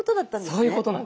そういうことなんです。